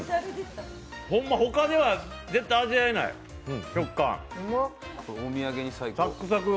ほんま、他では絶対に味わえない食感、サックサク。